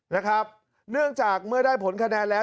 เนื่องจากเมื่อได้ผลคะแนนแล้ว